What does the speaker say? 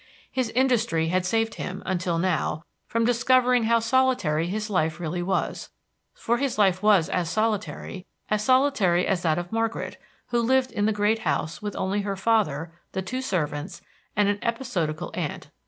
His industry had saved him, until now, from discovering how solitary his life really was; for his life was as solitary as solitary as that of Margaret, who lived in the great house with only her father, the two servants, and an episodical aunt.